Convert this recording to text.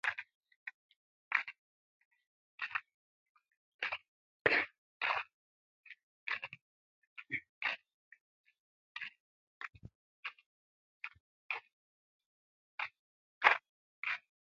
Suu tagal gi jaŋ zul kay ndaŋgara may.